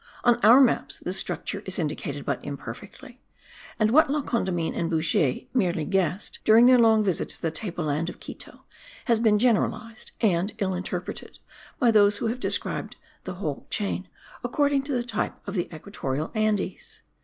On our maps this structure is indicated but imperfectly; and what La Condamine and Bouguer merely guessed, during their long visit to the table land of Quito, has been generalized and ill interpreted by those who have described the whole chain according to the type of the equatorial Andes.